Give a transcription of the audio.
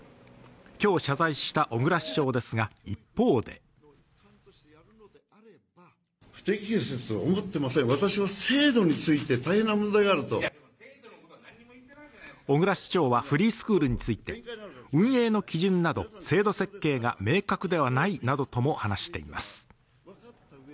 今日謝罪した小椋市長ですが一方で小椋市長はフリースクールについて運営の基準など制度設計が明確ではないなどとも話しています